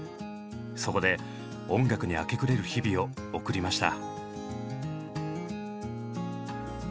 そこで音楽に明け暮れる日々を送りました。